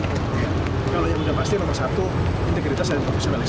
kalau yang sudah pasti nomor satu integritas dan profesionalis